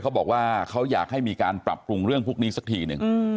เขาบอกว่าเขาอยากให้มีการปรับปรุงเรื่องพวกนี้สักทีหนึ่ง